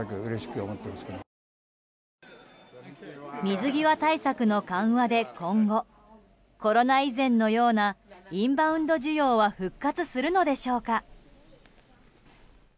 水際対策の緩和で、今後コロナ以前のようなインバウンド需要は復活するのでしょうか。